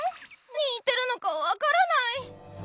何言ってるのか分からない。